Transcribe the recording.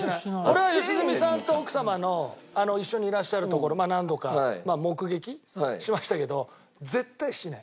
俺は良純さんと奥様の一緒にいらっしゃるところ何度か目撃しましたけど絶対しない。